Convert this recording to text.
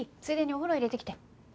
ついでにお風呂入れてきて。